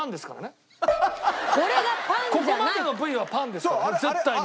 ここまでのＶはパンですからね絶対に。